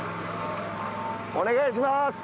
お願いします。